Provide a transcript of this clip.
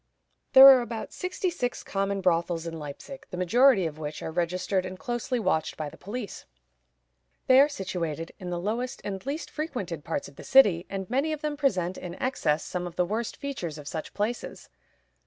There are about sixty six common brothels in Leipzig, the majority of which are registered and closely watched by the police. They are situated in the lowest and least frequented parts of the city, and many of them present, in excess, some of the worst features of such places.